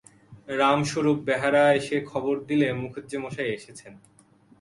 রামস্বরূপ বেহারা এসে খবর দিলে মুখুজ্যেমশায় এসেছেন।